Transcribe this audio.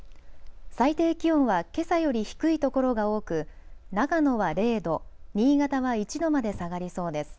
最低気温はけさより低いところが多く長野は０度、新潟は１度まで下がりそうです。